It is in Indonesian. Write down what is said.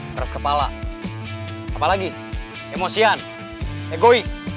keras kepala apa lagi emosian egois